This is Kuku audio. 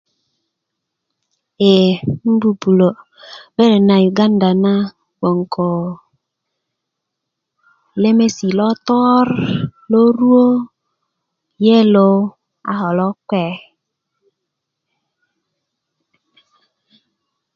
eeh 'nbu'bulö beret na yuganda na gbo ko lemesi' lotor loruwö yelo ako logbe